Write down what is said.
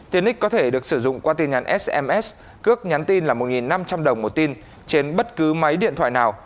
tiền ích có thể được sử dụng qua tin nhắn sms cước nhắn tin là một năm trăm linh đồng một tin trên bất cứ máy điện thoại nào